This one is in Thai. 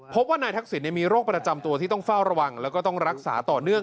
พบว่านายทักษิณมีโรคประจำตัวที่ต้องเฝ้าระวังแล้วก็ต้องรักษาต่อเนื่อง